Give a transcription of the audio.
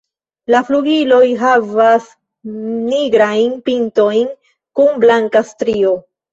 La flugiloj havas nigrajn pintojn kun blanka strio.